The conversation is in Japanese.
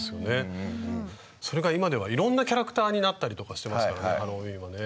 それが今ではいろんなキャラクターになったりとかしてますからねハロウィーンはね。